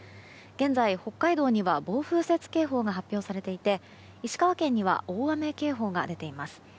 現在、北海道には暴風雪警報が発表されていて石川県には大雨警報が出ています。